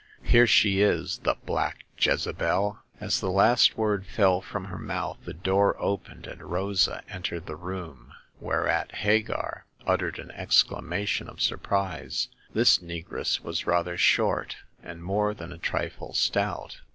Here she is— the black Jezebel !" As the last word fell from her mouth the door opened, and Rosa entered the room, whereat Hagar uttered an exclamation of surprise. This negress was rather short, and more than a trifle stout.